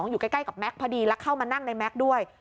อยู่ใกล้กับแก๊กพอดีแล้วเข้ามานั่งในแม็กซ์ด้วย